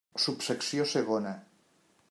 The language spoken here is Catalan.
Subsecció segona.